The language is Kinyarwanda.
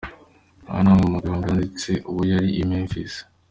Aya ni amwe mu mgambo yanditse ubwo yari i Memphis.